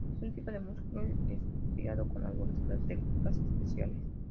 Es un tipo de músculo estriado con algunas características especiales.